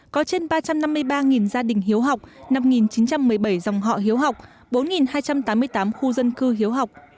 có trên ba trăm năm mươi ba gia đình hiếu học năm chín trăm một mươi bảy dòng họ hiếu học bốn hai trăm tám mươi tám khu dân cư hiếu học